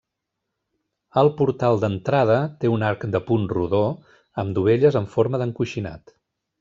El portal d'entrada té un arc de punt rodó amb dovelles en forma d'encoixinat.